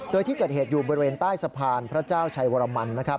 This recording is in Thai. โดยที่เกิดเหตุอยู่บริเวณใต้สะพานพระเจ้าชัยวรมันนะครับ